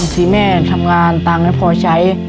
จริงแม่ทำงานตังค์นั้นพอใช้